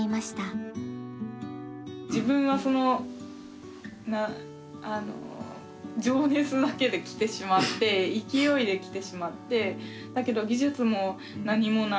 自分はそのあの情熱だけで来てしまって勢いで来てしまってだけど技術も何もない。